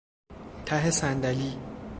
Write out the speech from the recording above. ته صندلی